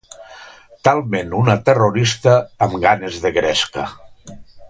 Talment una terrorista amb ganes de gresca.